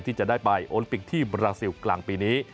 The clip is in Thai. ที่จะได้ไปโอลิมปิกที่บราซิลกลางปีนี้